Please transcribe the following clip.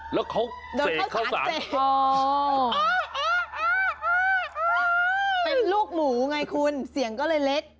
แล้วเขาเสกเข้าสาร